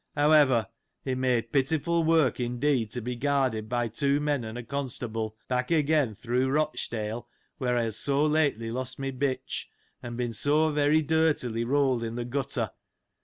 However, it made pitiful work indeed, to be guarded by two men, and a constable, back again, through Eochdale, where I had so lately lost my bitch, and been so very dirtily rolled in the gutter